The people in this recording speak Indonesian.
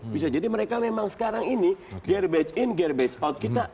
bisa jadi mereka memang sekarang ini